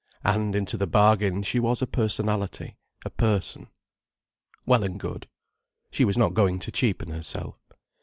And into the bargain she was a personality, a person. Well and good. She was not going to cheapen herself.